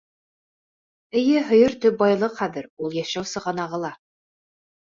Эйе, һыйыр төп байлыҡ хәҙер, ул йәшәү сығанағы ла.